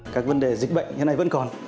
các vấn đề dịch bệnh hiện nay vẫn còn